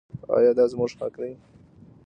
آیا دا زموږ حق دی؟